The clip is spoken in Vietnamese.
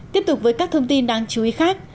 tiếp tục với các thông tin đáng chú ý khác